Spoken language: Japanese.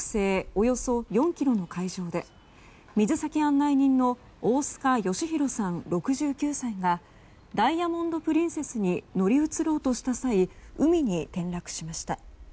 およそ４ｋｍの海上で水先案内人の大須賀祥浩さん、６９歳が「ダイヤモンド・プリンセス」に乗り移ろうとした際海に転落しました。